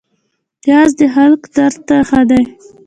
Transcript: پیاز د حلق درد ته ښه دی